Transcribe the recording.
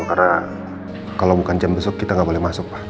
karena kalau bukan jam besuk kita nggak boleh masuk pak